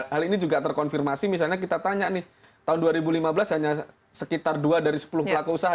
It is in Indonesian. hal ini juga terkonfirmasi misalnya kita tanya nih tahun dua ribu lima belas hanya sekitar dua dari sepuluh pelaku usaha